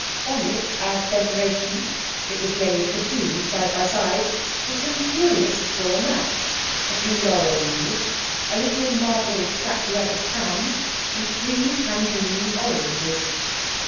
On it as decoration (it was laid for two, side by side) were some curious straw mats, a few laurel leaves, a little marble statuette of Pan, and three Tangerine oranges.